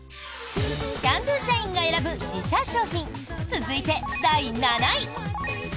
Ｃａｎ★Ｄｏ社員が選ぶ自社商品続いて、第７位。